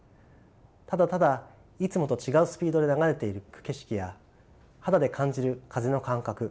ただただいつもと違うスピードで流れていく景色や肌で感じる風の感覚